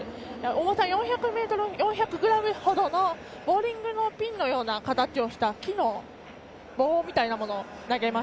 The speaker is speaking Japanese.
重さ４００ｇほどのボウリングのピンのような形をした木の棒みたいなものを投げます。